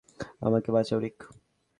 আমাকে বাঁচাও, রিক!